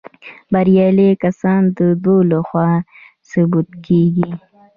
بریالي کسان د دوی لخوا ثبت کیږي.